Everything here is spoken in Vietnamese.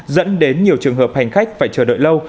dẫn đến nhiều trường hợp hành khách phải chờ đợi lâu